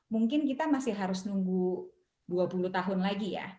mungkin kita masih harus nunggu dua puluh tahun lagi ya